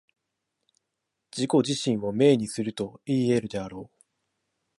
自己自身を明にするといい得るであろう。